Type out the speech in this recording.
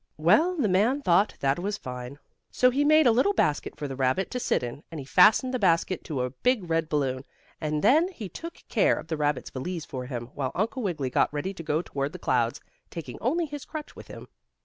Well, the man thought that was fine. So he made a little basket for the rabbit to sit in, and he fastened the basket to a big red balloon, and then he took care of the rabbit's valise for him, while Uncle Wiggily got ready to go toward the clouds, taking only his crutch with him.